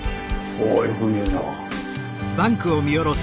およく見えるな。